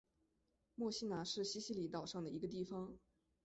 墨西拿是西西里岛上的一个地方。